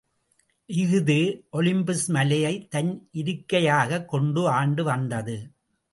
இஃது ஒலிம்பஸ் மலையைத் தன் இருக்கையாகக் கொண்டு ஆண்டு வந்தது.